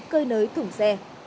cơi nới thủng xe